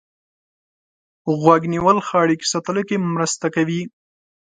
غوږ نیول ښه اړیکو ساتلو کې مرسته کوي.